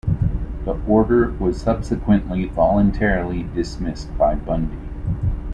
The order was subsequently voluntarily dismissed by Bundy.